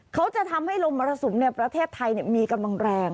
เขาจะทำให้ลมมรสุมในประเทศไทยมีกำลังแรง